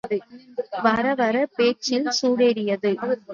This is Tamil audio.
வரவர பேச்சில் சூடேறியது.